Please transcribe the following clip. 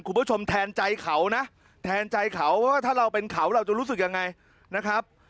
คุณผู้ชมแทนใจเขานะแทนใจเขาว่าถ้าเราเป็นเขาเราจะรู้สึกยังไงนะครับ